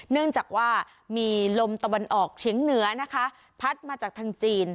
เนื่องจากว่ามีลมตะวันออกเฉียงเหนือนะคะพัดมาจากทางจีน